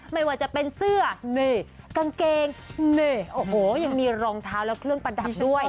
ไม่ว่าจะเป็นเสื้อนี่กางเกงนี่โอ้โหยังมีรองเท้าและเครื่องประดับด้วย